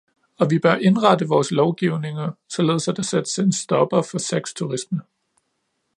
Og vi bør indrette vores lovgivninger, således at der sættes en stopper for sexturisme.